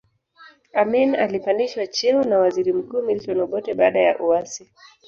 Amin alipandishwa cheo na waziri mkuu Milton Obote baada ya uasi